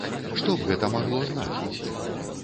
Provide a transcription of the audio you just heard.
Што б гэта магло значыць?